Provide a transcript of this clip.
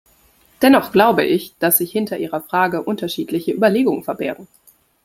Dennoch glaube ich, dass sich hinter ihrer Frage unterschiedliche Überlegungen verbergen.